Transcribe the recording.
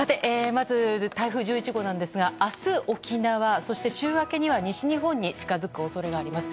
まずは台風１１号なんですが週末には沖縄そして、週明けには西日本に近づく恐れがあります。